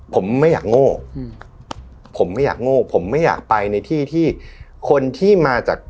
ผมไม่อยากโง่ผมไม่อยากไปในที่ที่คนที่มาจาก